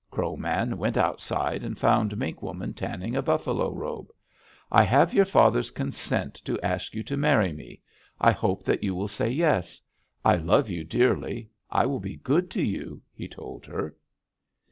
"Crow Man went outside and found Mink Woman tanning a buffalo robe: 'I have your father's consent to ask you to marry me. I hope that you will say yes. I love you dearly. I will be good to you,' he told her.